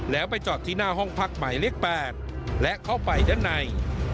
แล้วไปจอดที่หน้าห้องพักหมายเลข๘และเข้าไปด้านใน